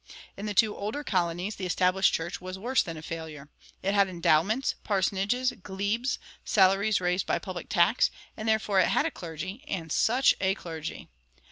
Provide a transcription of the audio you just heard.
In the two older colonies the Established Church was worse than a failure. It had endowments, parsonages, glebes, salaries raised by public tax, and therefore it had a clergy and such a clergy!